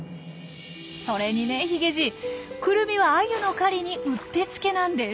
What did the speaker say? それにねヒゲじいクルミはアユの狩りにうってつけなんです。